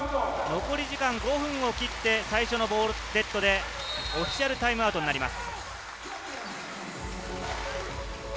残り時間５分を切って、最初のボールデッドでオフィシャルタイムアウトになります。